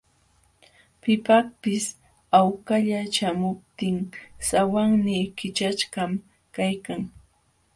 Pipaqpis hawkalla śhamuptin sawannii kićhaśhqam kaykan.